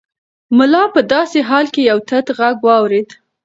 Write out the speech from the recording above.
ملا په داسې حال کې یو تت غږ واورېد.